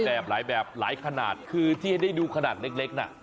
แบบหลายแบบหลายขนาดคือที่ให้ได้ดูขนาดเล็กน่ะ